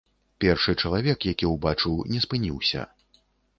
Першы чалавек, які ўбачыў, не спыніўся.